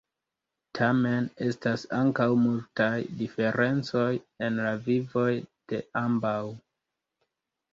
Tamen, estas ankaŭ multaj diferencoj en la vivoj de ambaŭ.